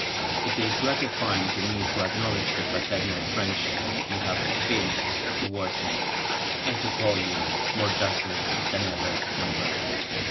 It is gratifying to me to acknowledge the fraternal friendship you have evinced towards me, and to call you, more justly than ever, my brother.